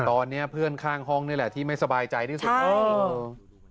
ตอนนี้เพื่อนข้างห้องนี่แหละที่ไม่สบายใจที่สุดเออ